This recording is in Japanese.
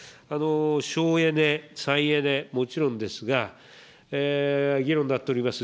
省エネ、再エネ、もちろんですが、議論になっております